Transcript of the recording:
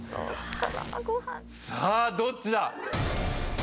さあどっちだ？